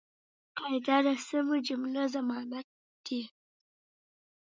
قاعده د سمي جملې ضمانت دئ.